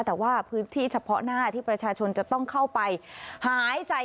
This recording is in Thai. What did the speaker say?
แต่ว่าพื้นที่เฉพาะหน้าที่ประชาชนจะต้องเข้าไปหายใจ